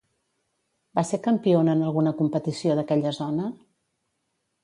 Va ser campiona en alguna competició d'aquella zona?